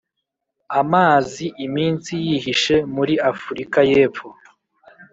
Amazi iminsi yihishe muri Afurika y’ epfo